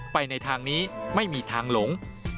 ไปในทางนี้ไม่มีทางหลง